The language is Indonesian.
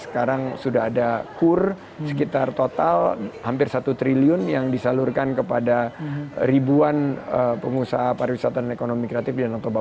sekarang sudah ada kur sekitar total hampir satu triliun yang disalurkan kepada ribuan pengusaha pariwisata dan ekonomi kreatif di danau toba